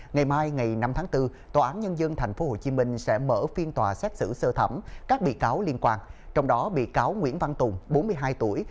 ngày mai ngày năm tháng bốn tòa án nhân dân tp hcm sẽ mở phiên tòa xét xử sơ thẩm các bị cáo liên quan trong đó bị cáo nguyễn văn tùng bốn mươi hai tuổi